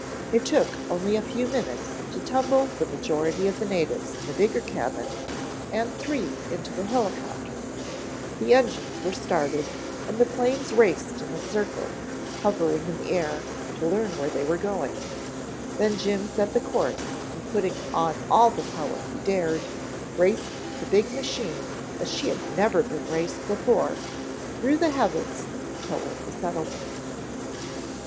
It took only a few minutes to tumble the majority of the natives in the bigger cabin, and three into the helicopter. The engines were started, and the planes raced in a circle, hovered in the air to learn where they were going. Then Jim set the course, and putting on all the power he dared, raced the big machine as she had never been raced before, through the heavens toward the settlement.